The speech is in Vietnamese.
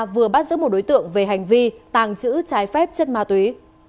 vừa bắt giữ một đối tượng về hành vi tàng trữ trái phép chất ma túy